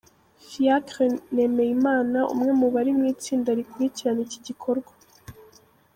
Fiacre Nemeyimana umwe mu bari mu itsinda rikurikirana iki gikorwa.